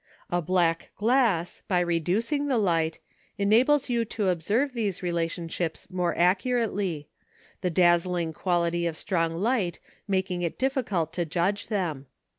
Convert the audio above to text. A black glass, by reducing the light, enables you to observe these relationships more accurately; the dazzling quality of strong light making it difficult to judge them.